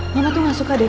mama tuh gak suka deh